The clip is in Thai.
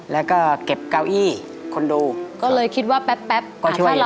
แล้วก็เก็บเก้าอี้คอนโดก็เลยคิดว่าแป๊บก็ช่วยอยู่ในนั้น